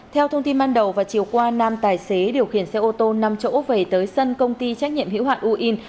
theo thông tin ban đầu và chiều qua nam tài xế điều khiển xe ô tô nằm chỗ về tới sân công ty trách nhiệm hữu hạn uin